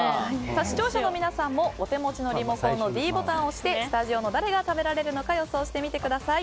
視聴者の皆さんもお手持ちのリモコンのｄボタンを押してスタジオの誰が食べられるのか予想してみてください。